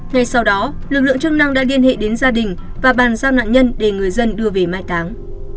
ngay sau đó lực lượng chức năng đã liên hệ đến gia đình và bàn giao nạn nhân để người dân đưa về mai táng